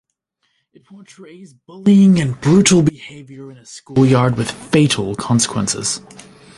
It portrays bullying and brutal behaviour in a schoolyard with fatal consequences.